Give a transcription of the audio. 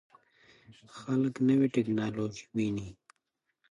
خلک نوې ټکنالوژي ویني.